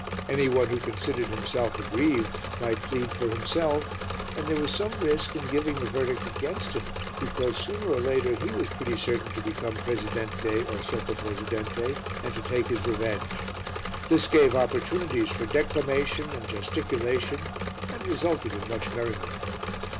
Any one who considered himself aggrieved might plead for himself, and there was some risk in giving the verdict against him because sooner or later he was pretty certain to become presidente or sotto presidente and to take his revenge. This gave opportunities for declamation and gesticulation and resulted in much merriment.